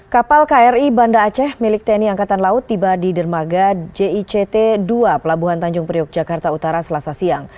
kapal kri banda aceh milik tni angkatan laut tiba di dermaga jict dua pelabuhan tanjung priok jakarta utara selasa siang